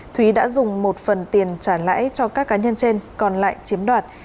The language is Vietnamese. thúy đã dùng một phần tiền trả lãi cho các cá nhân trên còn lại chiếm đoạt